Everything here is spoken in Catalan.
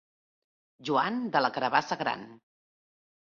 Joan, de la carabassa gran!